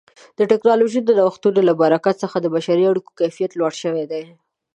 د ټکنالوژۍ د نوښتونو له برکت څخه د بشري اړیکو کیفیت لوړ شوی دی.